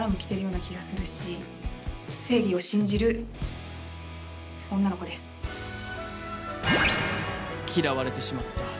心の声嫌われてしまった。